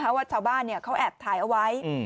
เพราะว่าชาวบ้านเขาแอบถ่ายเอาไว้